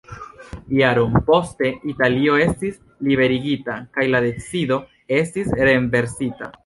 Jaron poste, Italio estis liberigita kaj la decido estis renversita.